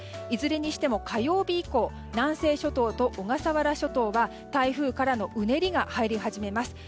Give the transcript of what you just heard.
いずれにしても火曜日以降南西諸島と小笠原諸島は台風からのうねりが入り始めます。